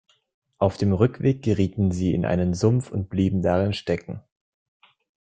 Auf dem Rückweg gerieten sie in einen Sumpf und blieben darin stecken.